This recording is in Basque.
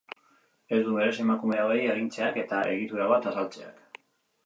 Ez du merezi emakume hauei agintzeak eta egitura bat azaltzeak.